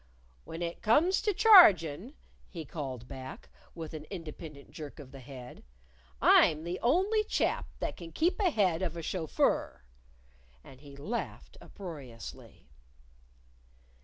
"When it comes to chargin'," he called back, with an independent jerk of the head, "I'm the only chap that can keep ahead of a chauffeur." And he laughed uproariously.